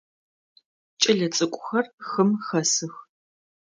Кӏэлэцӏыкӏухэр хым хэсых.